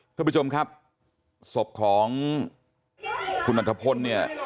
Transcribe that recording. เพื่อนผู้ชมครับศพของคุณอรรถพลเนี่ย